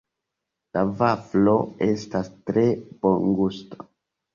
La vaflo estas tre bongusta.